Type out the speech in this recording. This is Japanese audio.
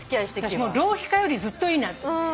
私も浪費家よりずっといいなと。